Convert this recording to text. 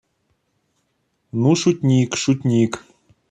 Ну, шутник, шутник...